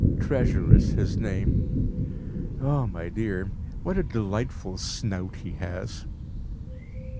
'Treasure' is his name. Ah, my dear, what a delightful snout he has!"